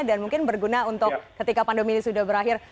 dan mungkin berguna untuk ketika pandemi ini sudah berakhir